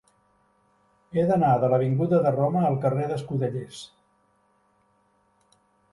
He d'anar de l'avinguda de Roma al carrer d'Escudellers.